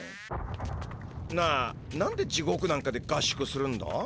なあ何で地獄なんかで合宿するんだ？